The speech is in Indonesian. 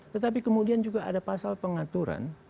tetapi kemudian juga ada pasal pengaturan